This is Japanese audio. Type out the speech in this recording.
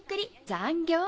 残業！